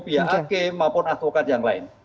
pihak hakim maupun advokat yang lain